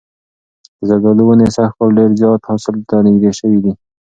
د زردالو ونې سږ کال ډېر زیات حاصل ته نږدې شوي دي.